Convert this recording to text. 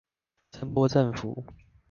聲波振幅